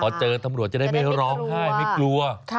พอเจอตำรวจจะได้ไม่ร้องไห้ไม่กลัว